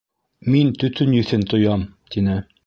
— Мин төтөн еҫен тоям, — тине.